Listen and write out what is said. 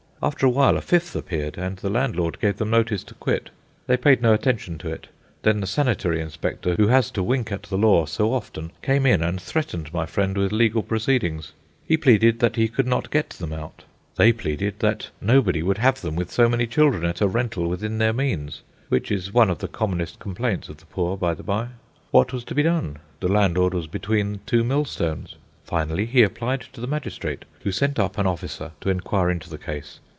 After a while a fifth appeared, and the landlord gave them notice to quit. They paid no attention to it. Then the sanitary inspector who has to wink at the law so often, came in and threatened my friend with legal proceedings. He pleaded that he could not get them out. They pleaded that nobody would have them with so many children at a rental within their means, which is one of the commonest complaints of the poor, by the bye. What was to be done? The landlord was between two millstones. Finally he applied to the magistrate, who sent up an officer to inquire into the case.